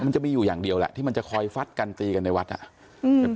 มันจะมีอยู่อย่างเดียวแหละที่มันจะคอยฟัดกันตีกันในวัดอ่ะอืม